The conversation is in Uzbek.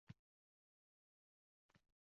Beshinchi sayyora judayam g‘aroyib edi.